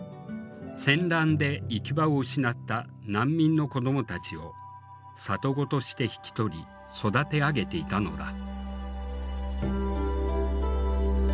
戦乱で行き場を失った難民の子どもたちを里子として引き取り育て上げていたのだ。